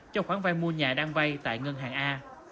cho khoản vai mua nhà đang vai tại ngân hàng a